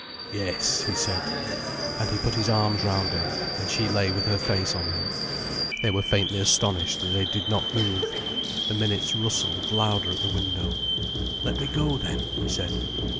"Yes," he said, and he put his arms round her, and she lay with her face on him. They were faintly astonished that they did not move. The minutes rustled louder at the window. "Let me go then," he said.